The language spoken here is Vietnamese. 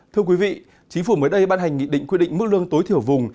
thưa quý vị chính phủ mới đây ban hành nghị định quy định mức lương tối thiểu vùng